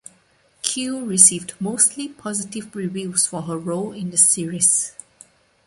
Q received mostly positive reviews for her role in the series.